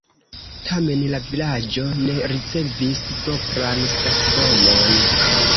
Tamen la vilaĝo ne ricevis propran stacidomon.